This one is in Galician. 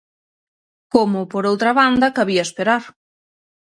Como, por outra banda, cabía esperar.